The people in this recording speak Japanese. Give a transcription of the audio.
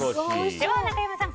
では中山さん